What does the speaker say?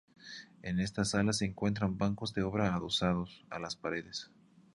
En esta sala se encuentran bancos de obra adosados a las paredes.